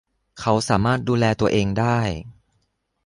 เขาสามารถดูแลตัวเองได้